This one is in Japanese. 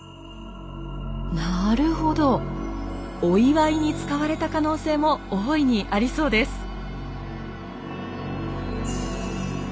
お祝いに使われた可能性も大いにありそうです。